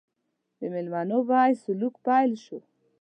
د مېلمنو په حیث سلوک پیل شو.